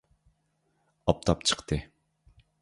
ئاپتاپ چىقتى